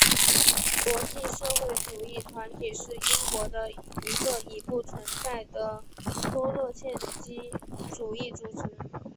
国际社会主义团体是英国的一个已不存在的托洛茨基主义组织。